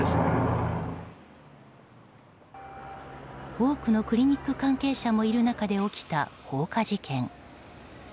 多くのクリニック関係者もいる中で起きた放火事件。